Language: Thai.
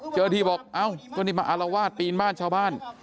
เจอที่บอกเอ้ามันก็คือมาอารวาสปีนบ้านชาวบ้าน